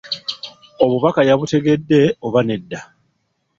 Obubaka yabutegedde oba nedda?